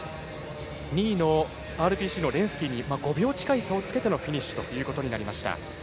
２位のＲＰＣのレンスキーに５秒近い差をつけてフィニッシュとなりました。